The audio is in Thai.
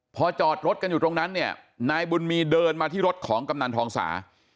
พอจอดรถกันอยู่ตรงนั้นเนี่ยนายบุญมีเดินมาที่รถของกำนันทองสา